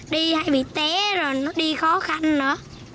đi hay bị té rồi nó đi khó khăn nữa